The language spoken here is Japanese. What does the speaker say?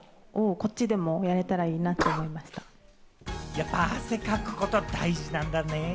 やっぱ汗かくこと、大事なんだね。